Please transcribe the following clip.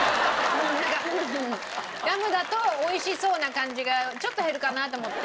ガムだと美味しそうな感じがちょっと減るかなと思って。